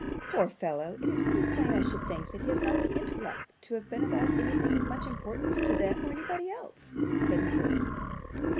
'Poor fellow! it is pretty plain, I should think, that he has not the intellect to have been about anything of much importance to them or anybody else,' said Nicholas.